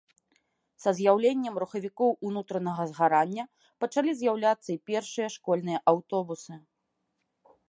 Са з'яўленнем рухавікоў унутранага згарання пачалі з'яўляцца і першыя школьныя аўтобусы.